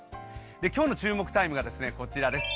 今日の注目タイムがこちらです。